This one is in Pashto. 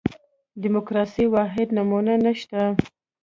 دیموکراسي واحده نمونه نه شته.